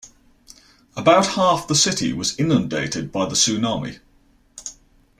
About half the city was inundated by the tsunami.